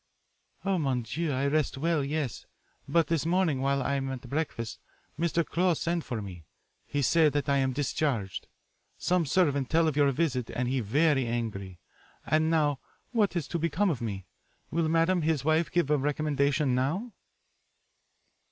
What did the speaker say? "Oh, mon Dieu, I rest well, yes. But this morning, while I am at breakfast, Mr. Close send for me. He say that I am discharged. Some servant tell of your visit and he verry angr ry. And now what is to become of me will madame his wife give a recommendation now?"